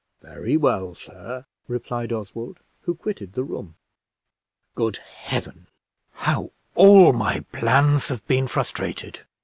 "Very well, sir," replied Oswald, who quitted the room. "Good Heaven! how all my plans have been frustrated!"